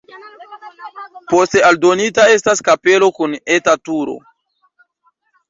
Poste aldonita estas kapelo kun eta turo.